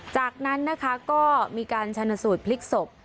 จากนั้นนะคะก็มีการชนสูตรพลิกศพ